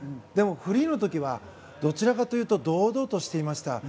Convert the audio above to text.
でも、フリーの時はどちらかというと堂々としていました。